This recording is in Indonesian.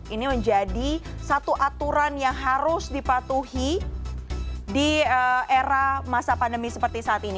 ini menjadi satu aturan yang harus dipatuhi di era masa pandemi seperti saat ini